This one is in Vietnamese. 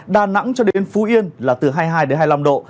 đà nẵng cho đến phú yên là từ hai mươi hai đến hai mươi năm độ